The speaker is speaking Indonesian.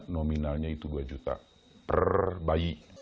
nominalnya itu dua juta per bayi